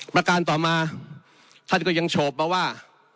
ประการต่อมาท่านก็ยังโฉบมาว่า